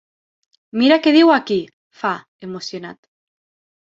Mira què diu aquí! —fa, emocionat—.